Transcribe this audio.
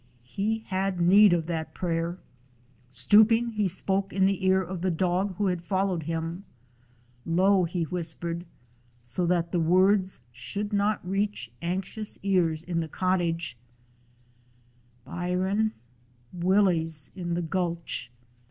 He had need of that prayer. Stooping, he spoke in the ear of the dog who had followed him; low he whispered, so that the words should not reach anxious ears in the cottage: "Byron, Willie 's in the gulch.